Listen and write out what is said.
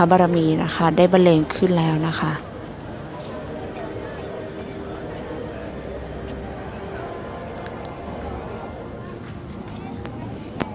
มันเป็นสิ่งที่จะให้ทุกคนรู้สึกว่ามันเป็นสิ่งที่จะให้ทุกคนรู้สึกว่า